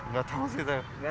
nggak tahu sih